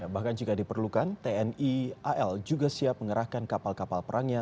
bahkan jika diperlukan tni al juga siap mengerahkan kapal kapal perangnya